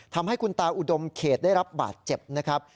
ทำให้คุณตาอุดมเขตได้รับบาดเจ็บนะครับ